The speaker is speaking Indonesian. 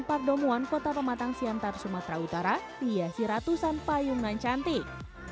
kepak domuan kota pematang siantar sumatera utara dihasil ratusan payungan cantik